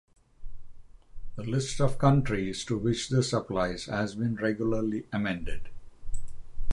The list of countries to which this applies has been regularly amended.